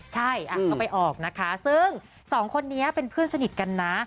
ใช่ก็ไปออกนะคะซึ่งสองคนนี้เป็นเพื่อนสนิทกันนะ